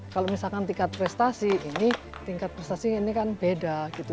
kalau misalkan tingkat prestasi ini tingkat prestasi ini kan beda gitu